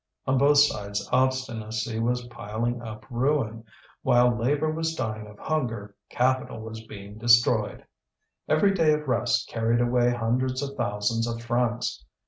On both sides obstinacy was piling up ruin: while labour was dying of hunger, capital was being destroyed. Every day of rest carried away hundreds of thousands of francs.